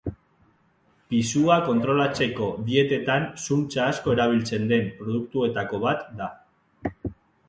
Pisua kontrolatzeko dietetan zuntza asko erabiltzen den produktuetako bat da.